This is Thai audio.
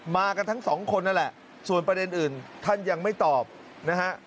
มากันทั้งสองคนนั่นแหละส่วนประเด็นอื่นท่านยังไม่ตอบนะฮะ